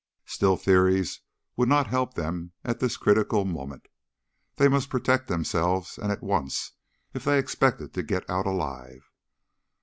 Still, theories would not help them at this critical moment. They must protect themselves and at once if they expected to get out alive.